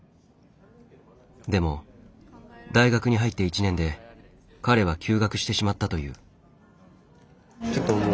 でも大学に入って１年で彼は休学してしまったという。